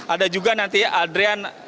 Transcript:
ada juga nanti adrian